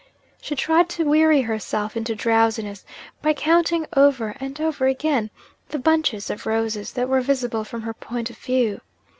She tried to weary herself into drowsiness by counting over and over again the bunches of roses that were visible from her point of view.